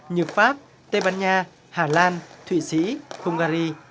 như pháp tây ban nha hà lan thụy sĩ hungary